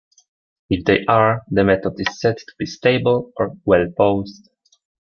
If they are, the method is said to be "stable" or "well-posed".